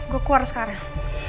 gue keluar sekarang